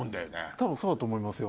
多分そうだと思いますよ。